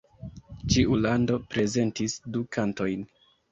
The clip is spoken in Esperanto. Ĉiu lando prezentis du kantojn.